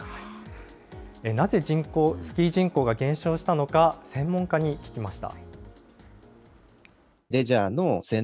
なぜスキー人口が減少したのか、専門家に聞きました。